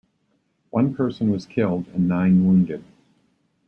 One person was killed and nine wounded.